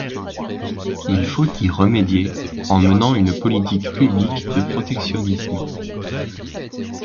Il faut y remédier en menant une politique publique de protectionnisme.